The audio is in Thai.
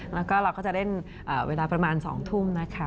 แล้วก็เราก็จะเล่นเวลาประมาณ๒ทุ่มนะคะ